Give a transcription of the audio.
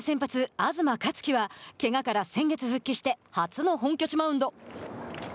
東克樹はけがから先月復帰して初の本拠地マウンド。